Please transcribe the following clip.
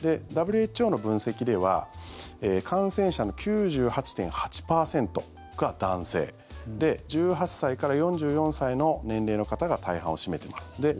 ＷＨＯの分析では感染者の９８．８％が男性で１８歳から４４歳の年齢の方が大半を占めています。